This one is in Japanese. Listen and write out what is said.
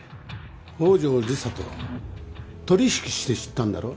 宝城理沙と取引して知ったんだろ？